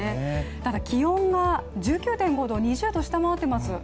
ただ気温が１９．５度、２０度下回っています。